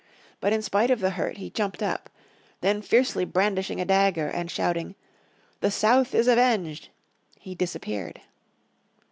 But in spite of the hurt he jumped up. Then fiercely brandishing a dagger and shouting, "the South is avenged," he disappeared.